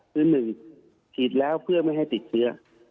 คือ๑ฉีดแล้วเพื่อไม่ให้ติดเชื้อ